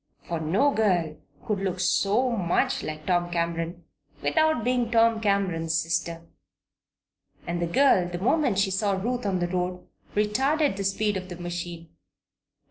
For no girl could look so much like Tom Cameron without being Tom Cameron's sister. And the girl, the moment she saw Ruth on the road, retarded the speed of the machine.